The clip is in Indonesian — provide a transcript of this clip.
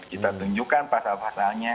kita tunjukkan pasal pasalnya